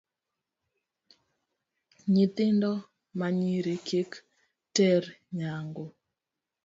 Nyithindo manyiri kik ter nyangu.